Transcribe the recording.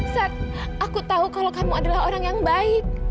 saat aku tahu kalau kamu adalah orang yang baik